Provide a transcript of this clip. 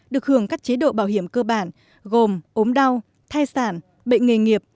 được hưởng các chế độ bảo hiểm cơ bản gồm ốm đau thai sản bệnh nghề nghiệp